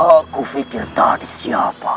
aku fikir tadi siapa